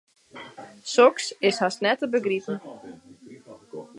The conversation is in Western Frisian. Soks is hast net te begripen.